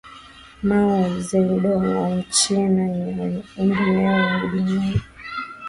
Mao ze Dong wa Uchina na wengineo wengi duniani